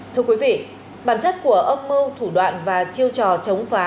thưa quý vị bản chất của âm mưu thủ đoạn và chiêu trò chống phá